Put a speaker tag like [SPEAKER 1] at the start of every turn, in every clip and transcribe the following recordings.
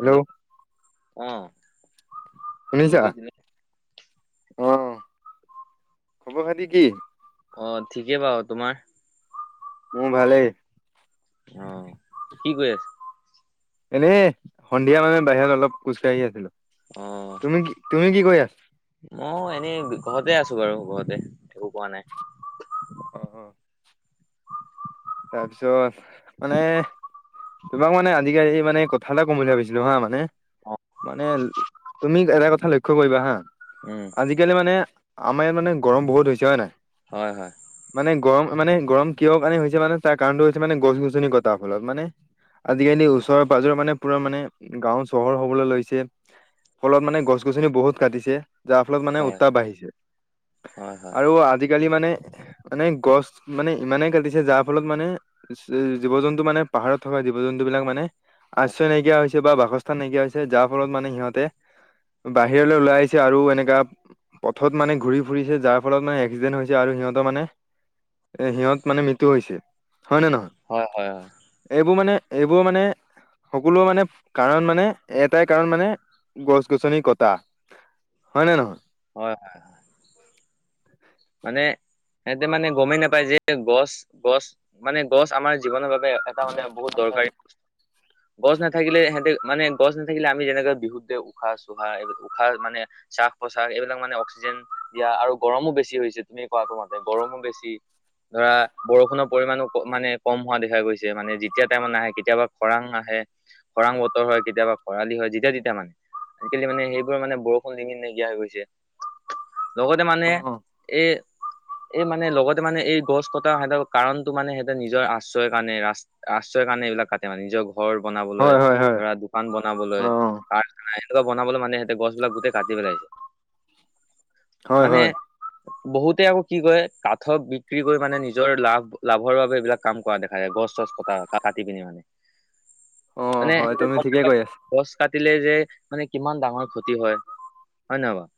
[SPEAKER 1] Hello অ'। Phone
[SPEAKER 2] শুনিছা
[SPEAKER 1] কৰিছিলে
[SPEAKER 2] অ', খবৰ খাতি কি?
[SPEAKER 1] অ', ঠিকেই বাৰু তোমাৰ?
[SPEAKER 2] মোৰ ভালেই।
[SPEAKER 1] অ', কি কৰি আছা?
[SPEAKER 2] এনে সন্ধিয়া মানে বাহিৰত অলপ খোজকাঢ়ি আছিলো
[SPEAKER 1] অ
[SPEAKER 2] তুমি কি তুমি কি কৰি আছা?
[SPEAKER 1] মই এনেই ঘৰতে আছো বাৰু ঘৰতে একো কৰা নাই।
[SPEAKER 2] অ', অ'। তাৰপিছত মানে তোমাক মানে এই মানে কথা এটা কম বুলি ভাবিছিলো হা মানে
[SPEAKER 1] অ
[SPEAKER 2] মানে তুমি এটা কথা ল লক্ষ্য কৰিব হা।
[SPEAKER 1] উম।
[SPEAKER 2] আজিকালি মানে আমাৰ ইয়াত মানে গৰম বহুত হৈছে হয় নাই।
[SPEAKER 1] হয় হয়।
[SPEAKER 2] মানে গৰম, মানে গৰম কিয় কাৰণে হৈছে মানে, তাৰ কাৰণটো হৈছে মানে গছ-গছনি কটাৰ ফলত মানে। আজিকালি ওচৰে-পাজৰে মানে পুৰা মানে গাঁও চহৰ হ'বলৈ লৈছে। ফলত মানে গছ-গছনি বহুত কাটিছে, যাৰ ফলত মানে
[SPEAKER 1] হয়
[SPEAKER 2] উত্তাপ বাঢ়িছে
[SPEAKER 1] হয় হয়
[SPEAKER 2] আৰু আজি। আজিকালি মানে, মানে গছ মানে ইমানে কাটিছে জাপ ফলত মানে জীৱ-জন্তু মানে, পাহাৰত থকা জীৱ-জন্তু বিলাক মানে। আশ্ৰয় নাইকিয়া হৈছে বা বাসস্থান নাইকিয়া হৈছে, যাৰ ফলত মানে সিহঁতে। বাহিৰলৈ ওলাই আহিছে আৰু এনেকা। পথত মানে ঘূৰি ফুৰিছে, যাৰ ফলত মানে এক্সিডেণ্টত হৈছে আৰু সিহঁতৰ মানে। এ সিহঁত মানে মৃত্যু হৈছে। হয় নে নহয়।
[SPEAKER 1] হয়, হয়, হয়।
[SPEAKER 2] এইবোৰ মানে এইবোৰ মানে সকলো মানে কাৰণ মানে এটাই কাৰণ মানে গছ-গছনি কটা। হয়নে নহয়?
[SPEAKER 1] হয়, হয়, হয় মানে সিহঁতে মানে গমেই নাপায়, যে গছ, গছ মানে গছ আমাৰ জীৱনৰ বাবে টা মানে বহুত দৰকাৰী গছ নাথাকিলে সিহঁতে মানে গছ নাথাকিলে আমি যেনেকৈ বিহুত দে উশাহ চোহা এই উশাহ মানে স্বাস প্ৰশ্বাস এইবিলাক মানে অক্সিজেন দিয়া আৰু গৰমো বেছি হৈছে, তুমি কোৱাটো মতে গৰমো বেছি ধৰা বৰষুণৰ পৰিমাণো মানে কম হোৱা দেখা গৈছে, মানে যেতিয়া টাইমত নাহে কেতিয়াবা খৰাং আহে। খৰাং বতৰ হয় কেতিয়াবা খৰালি হয় যেতিয়া তেতিয়া মানে আজিকালি মানে সেইবোৰ মানে বৰষুণ লিমিত নাইকিয়া হৈ গৈছে। লগতে মানে
[SPEAKER 2] অ
[SPEAKER 1] এই এই মানে লগতে মানে এই গছ কটা সিহঁতৰ কাৰণতটো মানে সিহঁতেৰ নিজৰ আশ্ৰয়ৰ কাৰণে ৰা আশ্ৰয়ৰ কাৰণে এইবিলাক কাটে মানে, নিজৰ ঘৰ বনাবলৈ
[SPEAKER 2] হয় হয় হয়
[SPEAKER 1] ধৰা দোকান বনাবলৈ,
[SPEAKER 2] অ
[SPEAKER 1] কাৰখানা, সেনেকুৱা বনাবলৈ মানে সিহঁতে গছবিলাক গোটেই কাটি পেলাইছে।
[SPEAKER 2] হয়
[SPEAKER 1] মানে
[SPEAKER 2] হয়
[SPEAKER 1] বহুতে আকৌ কি কয় কাঠৰ বিক্ৰী কৰি মানে নিজৰ লাভ, লাভৰ বাবে এইবিলাক কাম কৰা দেখা যায় গছ চছ ক কাটি পিনি মানে।
[SPEAKER 2] অ',
[SPEAKER 1] মানে
[SPEAKER 2] হয়
[SPEAKER 1] সিহঁতে
[SPEAKER 2] তুমি
[SPEAKER 1] গম
[SPEAKER 2] ঠিকে
[SPEAKER 1] নাপায়
[SPEAKER 2] কৈ আছাঁ।
[SPEAKER 1] গছ কাটিলে যে মানে কিমান ডাঙৰ ক্ষতি হয়, হয়ে নহয় বাৰু?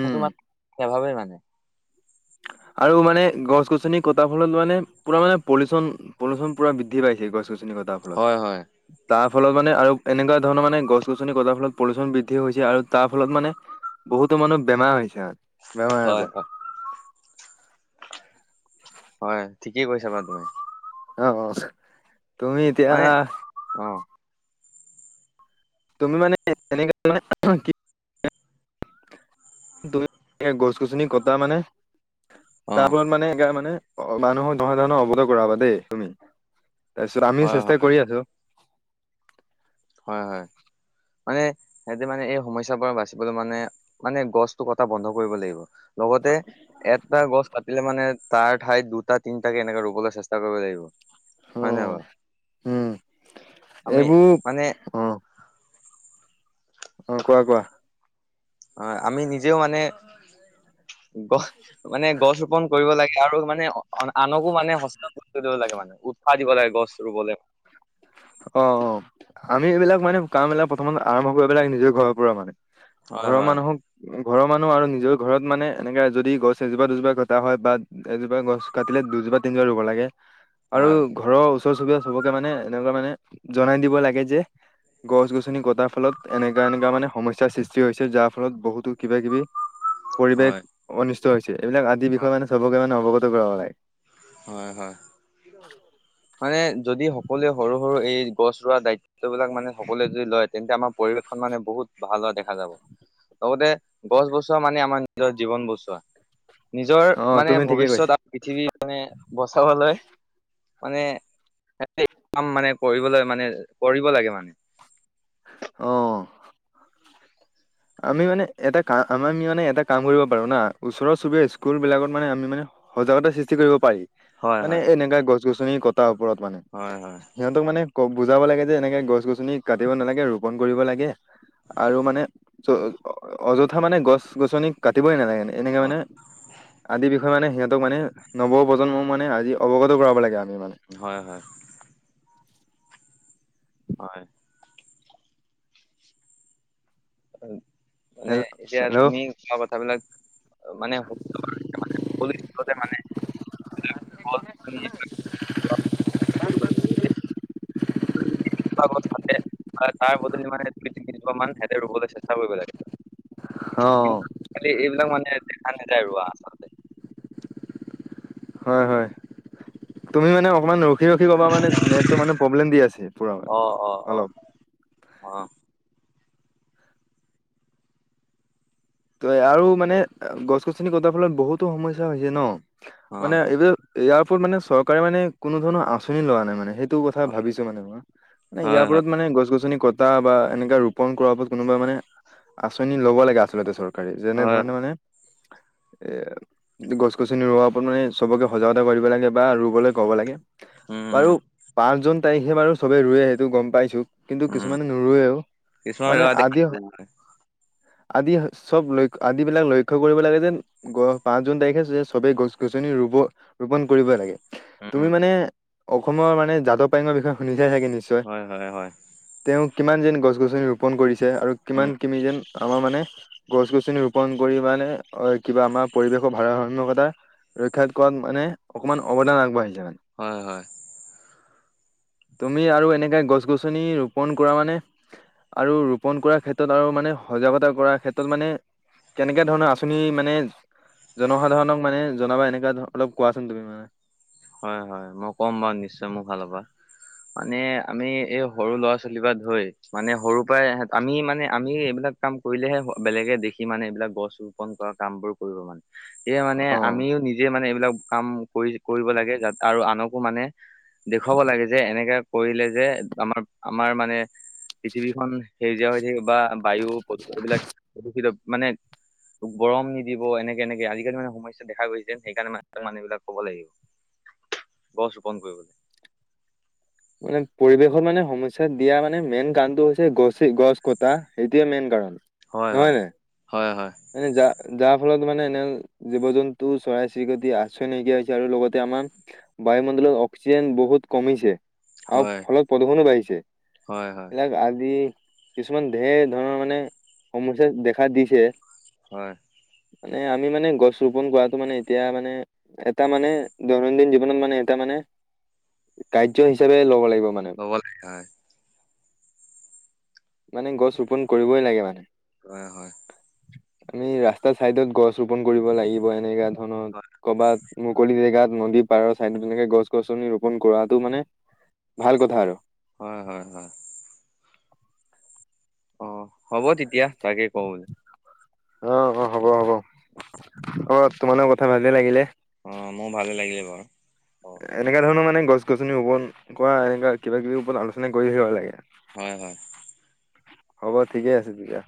[SPEAKER 1] সেইটো মানে, নেভাবে মানে।
[SPEAKER 2] আৰু মানে গছ-গছনি কটাৰ ফলত মানে, পুৰা মানে পলিউচন পলিউচন পুৰা বৃদ্ধি পাইছে গছ-গছনি কটা
[SPEAKER 1] হয়, হয়।
[SPEAKER 2] তাৰ ফলত মানে আৰু এনেকুৱা ধৰণৰ মানে গছ-গছনি কটাৰ ফলত পলিউচন বৃদ্ধি হৈছে আৰু তাৰ ফলত মানে বহুতো মানুহ বেমাৰ হৈছে, বেমাৰ
[SPEAKER 1] হয়
[SPEAKER 2] আজাৰ।
[SPEAKER 1] হয় হয়, ঠিকে কৈছা বা তুমি।
[SPEAKER 2] অ', অ', তুমি এতিয়া
[SPEAKER 1] অহ্।
[SPEAKER 2] তুমি মানে এনে কি তুমি গছ-গছনি কটা মানে
[SPEAKER 1] অ
[SPEAKER 2] তাৰ ফলত মানে সেইকাৰনে মানে মানুহক কৰাবা দেই তুমি তাৰপিছত আমিও
[SPEAKER 1] হয়
[SPEAKER 2] চেষ্টা
[SPEAKER 1] হয়
[SPEAKER 2] কৰি আছোঁ।
[SPEAKER 1] হয়, হয়। মানে সেইটো মানে এই সমস্যাৰ পৰা বাচিবলৈ মানে মানে গছটো কটা বন্ধ কৰিব লাগিব। লগতে এটা গছ কাটিলে মানে তাৰ ঠাইত দুটা তিনটাকে এনেকে ৰুবলৈ চেষ্টা কৰিব লাগিব।
[SPEAKER 2] অ
[SPEAKER 1] হয় নাই বাৰু।
[SPEAKER 2] উম
[SPEAKER 1] আমি
[SPEAKER 2] এইবোৰ
[SPEAKER 1] মানে [unintelligible]
[SPEAKER 2] অহ, কোৱা-কোৱা।
[SPEAKER 1] হয়, আমি নিজেও মানে গ মানে গছ ৰোপন কৰিব লাগে আৰু মানে আনকো মানে সচে কৰিব লাগে মানে উৎসাহ দিব লাগে গছ ৰুবলে।
[SPEAKER 2] অ', অ' আমি এইবিলাক মানে কামবিলাক প্ৰথম আৰম্ভ কৰিব লাগে নিজৰ ঘৰৰ পৰা মানে।
[SPEAKER 1] হয়
[SPEAKER 2] ঘৰৰ
[SPEAKER 1] হয়
[SPEAKER 2] মানুহক ঘৰৰ মানুহ আৰু নিজৰ ঘৰত মানে এনেকা যদি গছ এজোপা-দুজোপা ঘটা হয় বা এজোপা গছ কাটিলে দুজোপা তিনজোপা ৰুব লাগে। আৰু
[SPEAKER 1] হয়
[SPEAKER 2] ঘৰৰ ওচৰ চুবুৰীয়া চবকে মানে এনেকুৱা মানে জনাই দিব লাগে যে গছ-গছনি কটাৰ ফলত এনেকা-এনেকা মানে সমস্যাৰ সৃষ্টি সৃষ্টি হৈছে যাৰ ফলত বহুতো কিবা-কিবি পৰিৱেশ অনিষ্ট হৈছে এইবিলাক আদি বিষয়ে মানে চবকে মানে অৱগত কৰাব লাগে।
[SPEAKER 1] হয়, হয়। মানে যদি সকলোৱে সৰু-সৰু এই গছ ৰোৱা দায়িত্ব বিলাক মানে সকলোৱে যদি লয়, তেন্তে আমাৰ পৰিৱেশখন মানে বহুত ভাল হোৱা দেখা যাব। লগতে গছ বছোৱা মানে, আমাৰ নিজৰ জীৱন বছোৱা। নিজৰ
[SPEAKER 2] অ
[SPEAKER 1] মানে
[SPEAKER 2] তুমি ঠিকে কৈছা
[SPEAKER 1] ভৱিষ্যত আৰু পৃথিৱী মানে বচাবলৈ মানে কাম মানে, কৰিবলৈ মানে কৰিব লাগে মানে।
[SPEAKER 2] অহ। আমি মানে, এটা কাম আমি মানে, এটা কাম কৰিব পাৰো না, ওচৰৰ চুবুৰীয়া স্কুলবিলাকত মানে আমি মানে সজাগতা সৃষ্টি কৰিব পাৰি,
[SPEAKER 1] হয় হয়
[SPEAKER 2] মানে এনেকা গছ-গছনি কটাৰ ওপৰত মানে।
[SPEAKER 1] হয়, হয়।
[SPEAKER 2] সিহঁতক মানে বুজাব লাগে যে এনেকে গছ-গছনি কাটিব নালাগে ৰোপন কৰিব লাগে। আৰু মানে অযথা মানে গছ-গছনি কাটিবই নালাগে। এনেকা
[SPEAKER 1] হয়
[SPEAKER 2] মানে আদি বিষয়ে মানে সিহঁতক মানে নৱপ্ৰজন্ম মানে আজি অৱগত কৰাব লাগে আমি মানে।
[SPEAKER 1] হয়, হয়। হয়। মানে
[SPEAKER 2] হেল
[SPEAKER 1] এতিয়া
[SPEAKER 2] হেল্ল'
[SPEAKER 1] তুমি কোৱা কথাবিলাক মানে শুদ্ধ হয় মানে [unintelligible] মানে [unintelligible] [unintelligible] তাৰ বদলি মানে দুই তিনিজোপা মান সিহঁতে ৰুবলৈ চেষ্টা কৰিব লাগিছিল।
[SPEAKER 2] অহ।
[SPEAKER 1] খালি এইবিলাক মানে দেখা নাযায় ৰোৱা আচলতে।
[SPEAKER 2] হয়, হয়। তুমি মানে অকমান ৰখি-ৰখি কবা মানে, নেটটো মানে প্ৰব্লেম দি আছে পুৰা
[SPEAKER 1] অ', অ', অ',
[SPEAKER 2] অলপ।
[SPEAKER 1] অ',
[SPEAKER 2] আৰু মানে গছ-গছনি কটাৰ ফলত বহুতো সমস্যা হৈছে ন'
[SPEAKER 1] অ',
[SPEAKER 2] মানে, এই ইয়াৰ ওপৰত মানে চৰকাৰে মানে কোনো ধৰণৰ আঁচনি লোৱা নাই মানে, সেই সেইটো কথা ভাবিছোঁ মানে মই, মানে ইয়াৰ
[SPEAKER 1] হয়, হয়,
[SPEAKER 2] ওপৰত মানে গছ-গছনি কটা এটা বা এনেকা ৰোপন কৰা ওপৰত কোনোবা মানে আঁচনি ল'ব লাগে আচলতে চৰকৰে। যেনে
[SPEAKER 1] হয়,
[SPEAKER 2] ধৰণে মানে এ গছ-গছনি ৰোৱাৰ ওপৰত মানে চবকে সজাগতা কৰিব লাগে বা ৰুবলৈ ক'ব লাগে।
[SPEAKER 1] উম,
[SPEAKER 2] বাৰু
[SPEAKER 1] উম,
[SPEAKER 2] পাঁচ জুন তাৰিখে বাৰু চবে ৰুৱে সেইটো গম পাইছোঁ। কিন্তু
[SPEAKER 1] উম।
[SPEAKER 2] কিছুমানে নোৰুৱেও
[SPEAKER 1] কিছুমান
[SPEAKER 2] মানে
[SPEAKER 1] ৰোৱা দেখা
[SPEAKER 2] আদি,
[SPEAKER 1] নাযায়
[SPEAKER 2] আদি চব লক্ষ্য আদিবিলাক লক্ষ্য কৰিব লাগে যেন পাঁচ জুন তাৰিখে সবেই গছ-গছনি ৰুব ৰোপন কৰিবই লাগে। তুমি
[SPEAKER 1] উম,
[SPEAKER 2] মানে অসমৰ মানে যাদ পায়ঙৰ বিষয়ে শুনি চাই চাগে নিশ্চয়।
[SPEAKER 1] হয়, হয়, হয়।
[SPEAKER 2] তেওঁ কিমান যেন গছ-গছনি ৰোপন কৰিছে আৰু
[SPEAKER 1] উম,
[SPEAKER 2] কিমান কিবি যেন আমাৰ মানে গছ গছনি ৰোপন কৰি মানে কিবা আমাৰ পৰিৱেশৰ ভাৰসাম্যকতা ৰক্ষা কৰাত মানে অকণমান অৱদান আগবাঢ়িছে মানে
[SPEAKER 1] হয় হয়।
[SPEAKER 2] তুমি আৰু এনেকে গছ গছনি ৰোপন কৰা মানে আৰু ৰোপণ কৰাৰ ক্ষেত্ৰত আৰু মানে সজাগতা কৰাৰ ক্ষেত্ৰত ত মানে কেনেকে ধৰণৰ আচনি মানে জনসাধাৰণক মানে জনাবা এনেকোৱা ধৰনৰ অলপ কোৱাচোন তুমি মানে
[SPEAKER 1] হয় হয় মই ক'ম বাৰু নিশ্চয় মোৰ ফালৰ পৰা মানে আমি এই সৰু ল'ৰা ছোৱালী পৰা ধৰি মানে সৰুৰ পৰাই আমি মানে আমি এইবিলাক কাম কৰিলেহে বেলেগে দেখি মানে এইবিলাক গছ ৰোপন কৰা কাম বোৰ কৰিব মানে সে মানে
[SPEAKER 2] অ
[SPEAKER 1] আমিও নিজে মানে এইবিলাক কাম কৰি কৰিব লাগে আৰু আনকো মানে দেখুৱাব লাগে যে এনেকে কৰিলে যে আমাৰ আমাৰ মানে পৃথিৱীখন সেউজীয়া হৈ থাকিব বা বায়ু প্ৰদূষ এইবিলাক প্ৰদূষিত মানে গৰম নিদিব এনেকে এনেকে আজিকালি মানে সমস্যা দেখা গৈছেন সেইকাৰণে মানুহবিলাক ক'ব লাগিব। গছ ৰোপণ কৰিবলৈ
[SPEAKER 2] মানে পৰিৱেশত মানে সমস্যা দিয়া মানে মেইন কাৰণটো হৈছে গছ গছ কটা সেইটোয়ে মেইন কাৰণ
[SPEAKER 1] হয় হয় হয় হয়
[SPEAKER 2] এনে যা যাৰ ফলত মানে এনে জীৱ জন্তু চৰাই চিৰিকতি আশ্ৰয় নাইকিয়া হৈছে আৰু লগতে আমাৰ বায়ুমণ্ডলত অক্সিজেন বহুত কমিছে আৰু
[SPEAKER 1] হয়
[SPEAKER 2] ফলত প্ৰদূষনো বাঢ়িছে
[SPEAKER 1] হয় হয়
[SPEAKER 2] এইবিলাক আদি কিছুমান ঢেৰ ধৰণৰ মানে সমসা দেখা দিছে।
[SPEAKER 1] হয়।
[SPEAKER 2] মানে আমি মানে গছ ৰোপন কৰাটো মানে এতিয়া মানে এটা মানে দৈনন্দিন জীৱনত মানে এটা মানে কাৰ্য হিচাপে ল'ব লাগিব মানে
[SPEAKER 1] [inaudible] হয়।
[SPEAKER 2] মানে গছ ৰোপন কৰিবই লাগে মানে।
[SPEAKER 1] হয় হয়।
[SPEAKER 2] আমি ৰাস্তা চাইডত গছ ৰোপন কৰিব লাগিব এনেকা
[SPEAKER 1] হয়,
[SPEAKER 2] ধৰণত কৰবাত। মুকলি জেগাত নদী পাৰৰ চাইডত তেনেকে গছ গছনি ৰোপন কৰাটো মানে ভাল কথা আৰু
[SPEAKER 1] হয় হয় হয়। অ', হ'ব তেতিয়া তাকে কওঁ
[SPEAKER 2] অ', অ', হ'ব হ'ব অ তোমাৰ কথা ভালে লাগিলে
[SPEAKER 1] অ', মোৰ ভাল লাগিলে বাৰু অ',
[SPEAKER 2] এনেকা ধৰণৰ মানে গছ গছনি ৰোপন কৰা এনেকুৱা কিবা কিবিৰ ওপৰত আলোচনা কৰিহে ভাল লাগে
[SPEAKER 1] হয় হয়।
[SPEAKER 2] হ'ব ঠিকে আছে তেতিয়া